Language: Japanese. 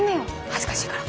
恥ずかしいから。